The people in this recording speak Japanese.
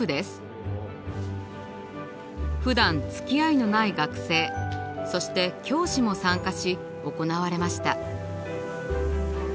ふだんつきあいのない学生そして教師も参加し行われました。